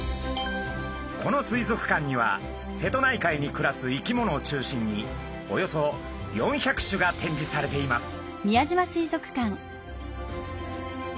この水族館には瀬戸内海に暮らす生き物を中心におよそ４００種が展示されています。